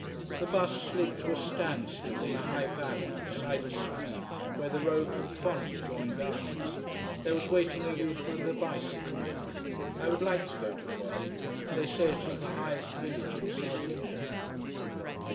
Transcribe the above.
The bus slid to a standstill in a high valley, beside a stream where the road from Fonni joined ours. There was waiting a youth with a bicycle. I would like to go to Fonni. They say it is the highest village in Sardinia.